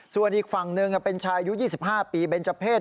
ส่วนอีกฝั่งหนึ่งเป็นชายอายุ๒๕ปีเบนเจอร์เพศ